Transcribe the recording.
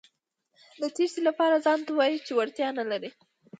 د تېښتې لپاره ځانته وايئ چې وړتیا نه لرئ.